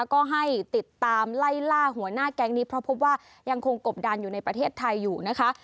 ก็ให้ติดตามไล่ล่าหัวหน้าแก๊งนี้เพราะพบว่ายังคงกบดันอยู่ในประเทศไทยอยู่นะคะ